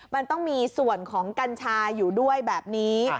มันต้องมีส่วนของกัญชาอยู่ด้วยแบบนี้